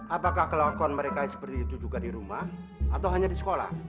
apakah kelakuan mereka itu juga seperti itu di rumah atau hanya di sekolah